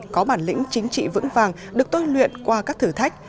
có bản lĩnh chính trị vững vàng được tôi luyện qua các thử thách